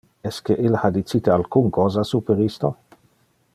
Esque ille ha dicite alcun cosa super isto?